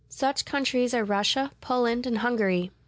Such countries are Russia, Poland, and Hungary.